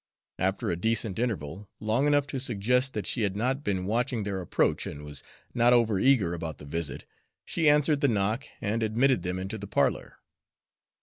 After a decent interval, long enough to suggest that she had not been watching their approach and was not over eager about the visit, she answered the knock and admitted them into the parlor.